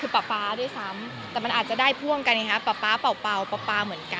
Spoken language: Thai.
คือป๊าป๊าด้วยซ้ำแต่มันอาจจะได้พ่วงกันไงฮะป๊าป๊าเป่าเหมือนกัน